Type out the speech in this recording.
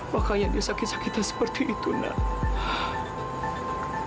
makanya dia sakit sakitan seperti itu nan